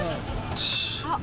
あっ！